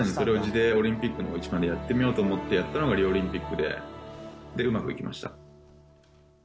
さらにそれを地でオリンピックでやってみようと思ったのが、やったのがリオオリンピックで、で、うまくいきました。